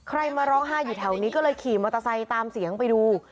มาร้องไห้อยู่แถวนี้ก็เลยขี่มอเตอร์ไซค์ตามเสียงไปดู